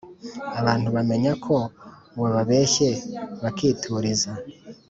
Abantu bamenya ko wababeshye bakituriza